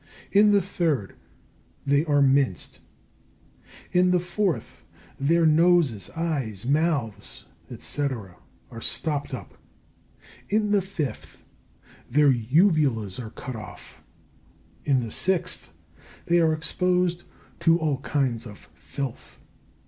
In the third, they are minced. In the fourth, their noses, eyes, mouths, &c. are stopped up. In the fifth, their uvulas are cut off. In the sixth, they are exposed to all kinds of filth.